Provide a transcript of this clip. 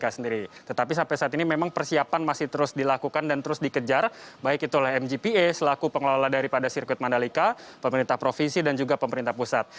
tetapi sampai saat ini memang persiapan masih terus dilakukan dan terus dikejar baik itu oleh mgpa selaku pengelola daripada sirkuit mandalika pemerintah provinsi dan juga pemerintah pusat